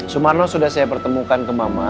sumarno sudah saya pertemukan ke mama